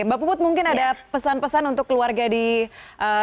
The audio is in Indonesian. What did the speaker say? mbak puput mungkin ada pesan pesan untuk keluarga di indonesia